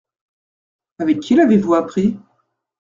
Avec qui l’avez-vous appris ?